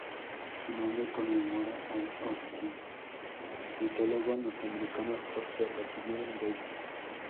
Su nombre conmemora al ornitólogo norteamericano George Latimer Bates.